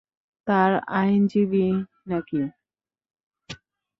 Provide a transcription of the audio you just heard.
তার আইনজীবী নাকি?